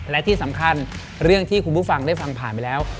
และที่สำคัญเรื่องที่คุณผู้ฟังได้ฟังผ่านไปแล้ว